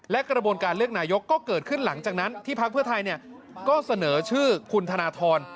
และกระบวนการเลือกนายกก็เกิดขึ้นหลังจากนั้นที่พักเพื่อไทยก็เสนอชื่อคุณธนทร